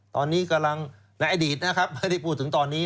ตอนนี้กำลังในอดีตนะครับไม่ได้พูดถึงตอนนี้